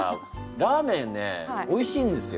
ラーメンねおいしいんですよ